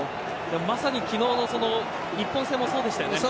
まさに昨日の日本戦もそうでしたよね。